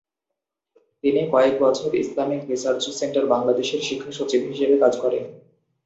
তিনি কয়েক বছর ইসলামিক রিসার্চ সেন্টার বাংলাদেশের শিক্ষা সচিব হিসেবে কাজ করেন।